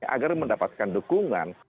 agar mendapatkan dukungan